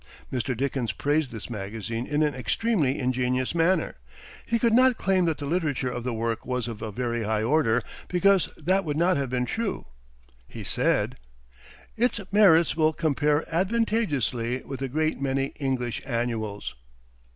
Mr. Dickens praised this magazine in an extremely ingenious manner. He could not claim that the literature of the work was of a very high order, because that would not have been true. He said: "Its merits will compare advantageously with a great many English Annuals."